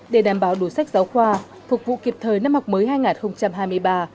để đảm bảo đồ sách giáo khoa phục vụ kịp thời năm học mới hai nghìn hai mươi ba hai nghìn hai mươi bốn